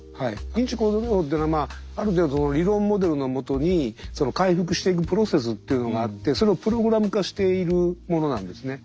認知行動療法というのはある程度理論モデルのもとに回復していくプロセスっていうのがあってそれをプログラム化しているものなんですね。